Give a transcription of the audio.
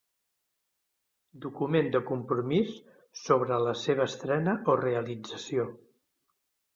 Document de compromís sobre la seva estrena o realització.